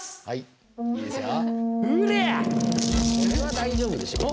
これは大丈夫でしょう。